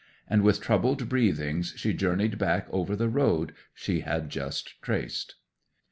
And with troubled breathings she journeyed back over the road she had just traced.